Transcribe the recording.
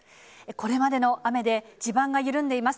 これまでの雨で地盤が緩んでいます。